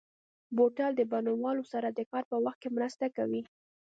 بوتل د بڼوالو سره د کار په وخت کې مرسته کوي.